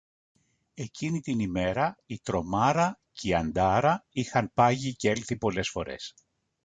εκείνη την ημέρα η «Τρομάρα» και η «Αντάρα» είχαν πάγει κι έλθει πολλές φορές